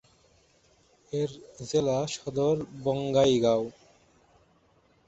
এর জেলা সদর বঙাইগাঁও।